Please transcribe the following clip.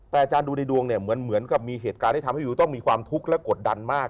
แต่อาจารย์ดูในดวงเนี่ยเหมือนกับมีเหตุการณ์ที่ทำให้วิวต้องมีความทุกข์และกดดันมาก